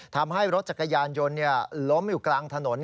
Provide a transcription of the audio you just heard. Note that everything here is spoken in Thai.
ทำให้รถจักรยานยนต์ล้มอยู่กลางถนน